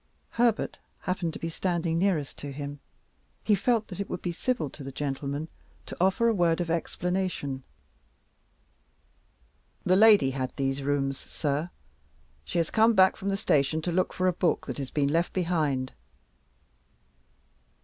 Herbert happened to be standing nearest to him; he felt that it would be civil to the gentleman to offer a word of explanation. "The lady had these rooms, sir. She has come back from the station to look for a book that has been left behind."